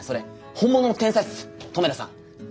本物の天才っす留田さん。